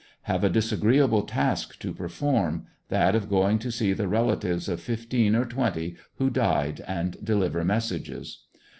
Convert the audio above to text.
Have a disagreeable task to perform — that of going to see the relatives of fifteen or twenty who died and deliver messages.